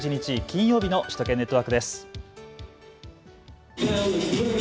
金曜日の首都圏ネットワークです。